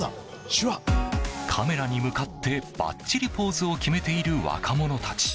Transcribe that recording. カメラに向かってばっちりポーズを決めている若者たち。